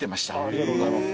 ありがとうございます。